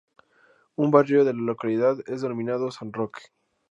Un barrio de la localidad es denominado "San Roque".